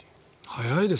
早いんです。